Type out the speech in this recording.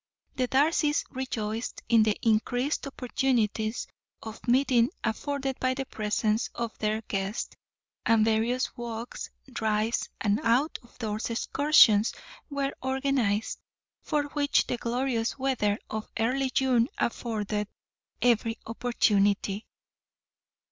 The Darcys rejoiced in the increased opportunities of meeting afforded by the presence of their guest, and various walks, drives and out of doors excursions were organized, for which the glorious weather of early June afforded every opportunity.